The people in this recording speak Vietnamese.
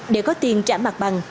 để có tiền trả mặt bằng